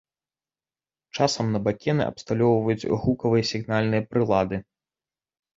Часам на бакены абсталёўваюць гукавыя сігнальныя прылады.